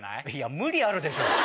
無理あるでしょ！